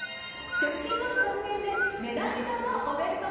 食品ロス削減で値段以上のお弁当。